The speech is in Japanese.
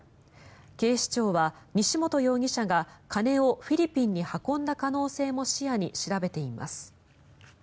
警視庁は、西本容疑者が金をフィリピンに運んだ可能性も視野に調べています。